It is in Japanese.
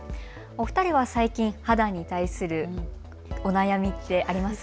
お二人は最近、肌に対するお悩みってあります？